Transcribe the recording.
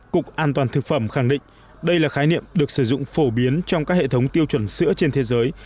cục an toàn thực phẩm khẳng định đây là khái niệm được sử dụng phổ biến trong các hệ thống tiêu chuẩn sữa trên thế giới